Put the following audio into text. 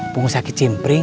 pengusaha ke cimpring